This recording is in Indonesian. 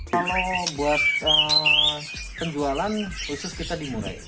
kalau buat penjualan khusus kita di murai